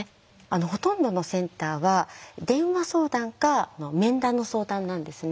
ほとんどのセンターは電話相談か面談の相談なんですね。